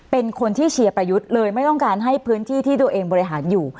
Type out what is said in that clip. เป็นคนที่เชียร์ประยุทธ์เลยไม่ต้องการให้พื้นที่ที่ตัวเองบริหารอยู่